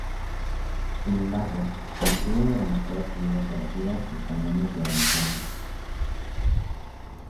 Sin embargo, mantuvo durante toda su vida operativa sus cañones de avancarga.